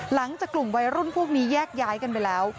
หลังจากกลุ่มวัยรุ่นพวกนี้แยกย้ายกันไปแล้ว